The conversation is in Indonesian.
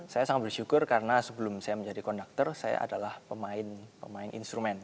saya sangat bersyukur karena sebelum saya menjadi konduktor saya adalah pemain pemain instrumen